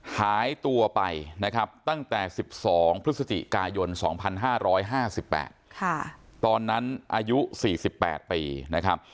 หายตัวไปนะครับตั้งแต่๑๒พฤศจิกายน๒๕๕๘ตอนนั้นอายุ๔๘ปีนะครับ